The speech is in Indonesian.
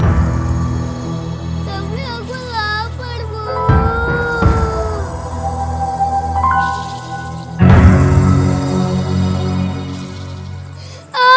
tapi aku lapar